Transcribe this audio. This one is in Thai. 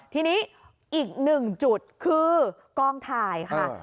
ทีนี้อีกหนึ่งจุดคือกองถ่ายค่ะ